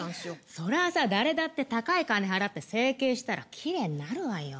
そりゃあさ誰だって高い金払って整形したらきれいになるわよ。